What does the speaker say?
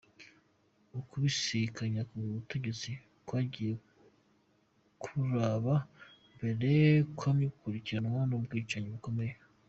Ukubisikanya ku butegetsi kwagiye kuraba mbere, kwamye gukurikirwa n'ubwicanyi bukomeye.